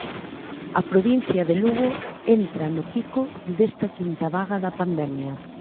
A provincia de Lugo entra no pico desta quinta vaga da pandemia.